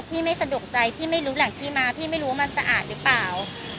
ไม่สะดวกใจพี่ไม่รู้แหล่งที่มาพี่ไม่รู้ว่ามันสะอาดหรือเปล่า